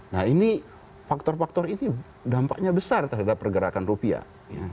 nah ini faktor faktor ini dampaknya besar terhadap pergerakan rupiah